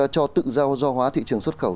cho tự do do hóa thị trường xuất khẩu